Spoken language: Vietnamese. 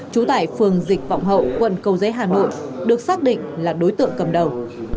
chú tại phường dịch vọng hậu quận cầu dế hà nội được xác định là đối tượng cầm đầu